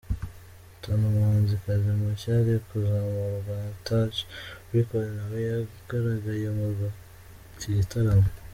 Tony, umuhanzikazi mushya uri kuzamurwa na Touch record nawe yagaragaye muri iki gitaramo.